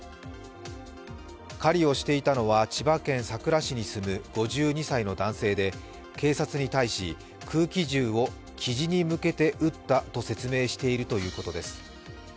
狩りをしていたのは千葉県佐倉市に住む５２歳の男性で警察に対し、空気銃をきじに向けて撃ったと説明しているということです。